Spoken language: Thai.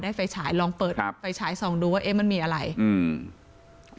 ไฟฉายลองเปิดครับไฟฉายส่องดูว่าเอ๊ะมันมีอะไรอืม